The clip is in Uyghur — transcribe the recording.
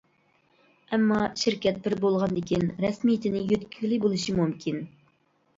ئەمما شىر كەت بىر بولغاندىكىن رەسمىيىتىنى يۆتكىگىلى بولۇشى مۇمكىن.